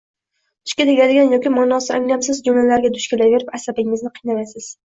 Tishga tegadigan yoki maʼnosi anglamsiz jumlalarga duch kelaverib, asabingizni qiynamaysiz